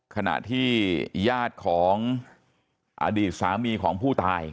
ขณะที่ญาติของอดีตสามีของผู้ตาย